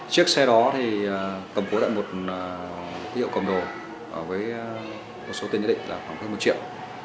chiếc xe đó thì cầm cố tại một điệu cầm đồ với một số tiền nhất định là khoảng hơn một triệu